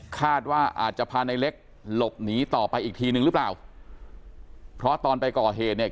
คาดว่าอาจจะพาในเล็กหลบหนีต่อไปอีกทีนึงหรือเปล่าเพราะตอนไปก่อเหตุเนี่ย